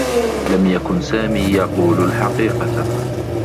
لم يكن سامي يقول الحقيقة.